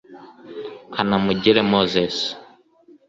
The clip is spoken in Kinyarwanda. Kanamugire Moses